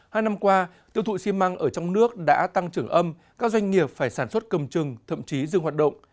hai năm qua tiêu thụ xi măng ở trong nước đã tăng trưởng âm các doanh nghiệp phải sản xuất cầm trừng thậm chí dừng hoạt động